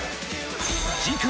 次回！